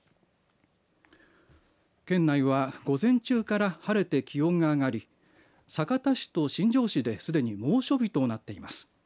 県内は午前中から晴れて気温が上がり酒田市と新庄市ですでに猛暑日となっています。